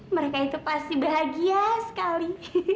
mereka itu pasti bahagia sekali